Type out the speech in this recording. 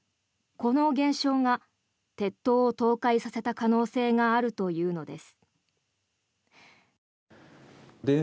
この現象が鉄塔を倒壊させた可能性があるというのです。